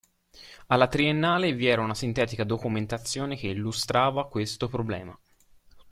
Alla Triennale vi era una sintetica documentazione che illustrava questo problema.